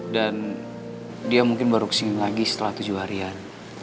dan dia mungkin baru kesini lagi setelah tujuh harian